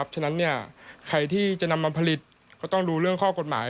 ฉะนั้นใครที่จะนำมาผลิตก็ต้องดูเรื่องข้อกฎหมาย